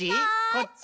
こっち？